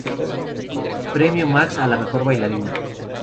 Premio Max a la mejor bailarina.